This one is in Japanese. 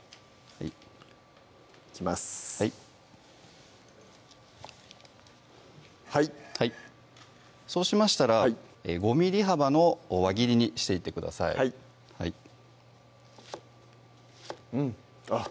はいはいはいそうしましたら５ｍｍ幅の輪切りにしていってくださいうんあっ